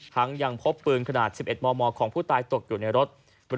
ยังพบปืนขนาด๑๑มมของผู้ตายตกอยู่ในรถ